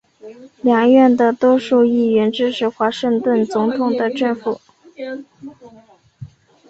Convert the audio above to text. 两院的多数议员支持华盛顿总统的政府。